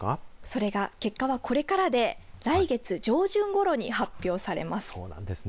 それが結果はこれからで来月上旬ごろに発表されます。